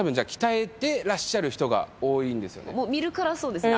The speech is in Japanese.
見るからそうですね。